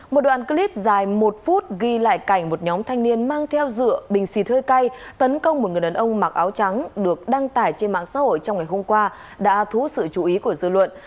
một đoạn clip dài một phút ghi lại cảnh một nhóm thanh niên mang theo dựa bình xịt hơi cay tấn công một người đàn ông mặc áo trắng được đăng tải trên mạng xã hội trong ngày hôm qua đã thu hút sự chú ý của dư luận